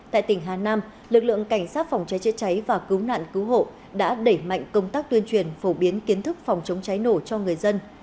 tại tỉnh hà nam lực lượng cảnh sát phòng cháy chữa cháy và cứu nạn cứu hộ đã đẩy mạnh công tác tuyên truyền phổ biến kiến thức phòng chống cháy nổ cho người dân